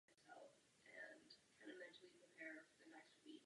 S touto nadějí jsem pro tuto zprávu hlasovala.